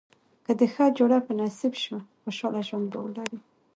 که دې ښه جوړه په نصیب شوه خوشاله ژوند به ولرې.